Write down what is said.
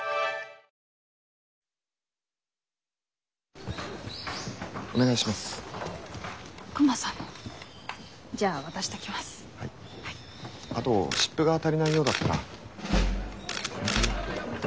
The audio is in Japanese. あと湿布が足りないようだったら。